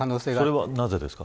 それはなぜですか。